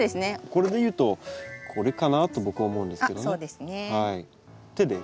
これでいうとこれかなと僕は思うんですけどね。